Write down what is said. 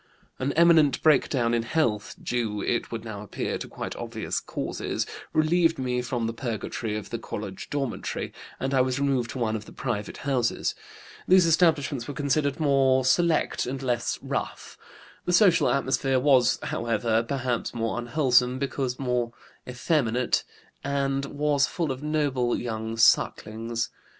"An imminent breakdown in health due, it would now appear, to quite obvious causes relieved me from the purgatory of the college dormitory, and I was removed to one of the private houses. These establishments were considered more select and less 'rough.' The social atmosphere was, however, perhaps more unwholesome, because more effeminate, and was full of noble young sucklings.